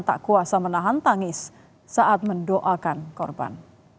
tak kuasa menahan tangis saat mendoakan korban